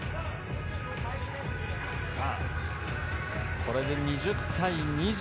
これで２０対２０。